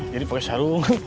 jadi pake sarung